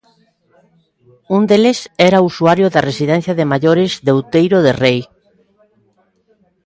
Un deles era usuario da residencia de maiores de Outeiro de Rei.